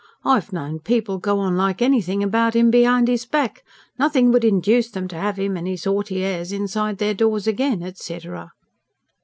I've known people go on like anything about 'im behind 'is back: nothing would induce them to have 'im and 'is haughty airs inside their doors again, etcetera."